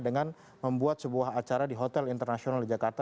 dengan membuat sebuah acara di hotel internasional di jakarta